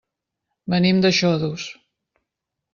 Venim de Xodos.